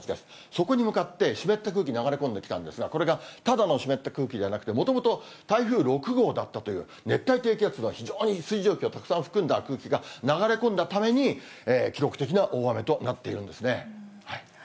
そこに向かって湿った空気が流れ込んできたんですが、これがただの湿った空気ではなくて、もともと台風６号だったという、熱帯低気圧が非常に水蒸気をたくさん含んだ空気が流れ込んだために、記録的な大雨となっているんですね。